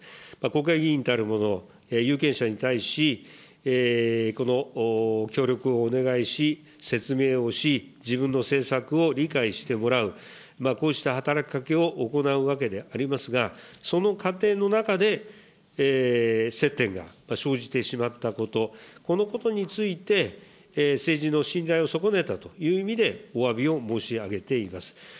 国会議員たるもの、有権者に対し、この協力をお願いをし、説明をし、自分の政策を理解してもらう、こうした働きかけを行うわけでありますが、その過程の中で接点が生じてしまったこと、このことについて、政治の信頼を損ねたという意味でおわびを申し上げています。